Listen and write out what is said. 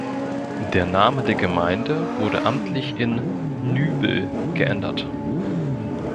Der Name der Gemeinde wurde amtlich in "Nübel" geändert.